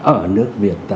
ở nước việt ta